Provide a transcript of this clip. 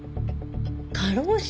「過労死」？